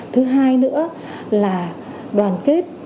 thứ hai nữa là đoàn kết